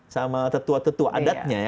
sama tetua tetua adatnya ya